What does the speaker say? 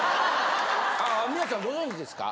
ああ皆さんご存じですか？